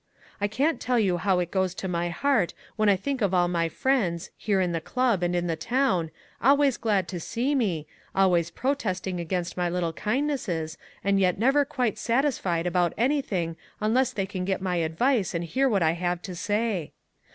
I can't tell you how it goes to my heart when I think of all my friends, here in the club and in the town, always glad to see me, always protesting against my little kindnesses and yet never quite satisfied about anything unless they can get my advice and hear what I have to say.